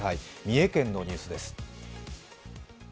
三重県のニュースです。